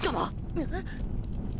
えっ？